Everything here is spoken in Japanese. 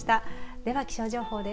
では、気象情報です。